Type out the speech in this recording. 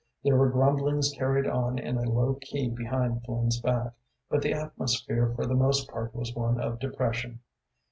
There were grumblings carried on in a low key behind Flynn's back, but the atmosphere for the most part was one of depression.